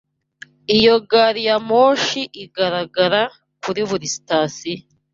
Iyo gari ya moshi ihagarara kuri buri sitasiyo.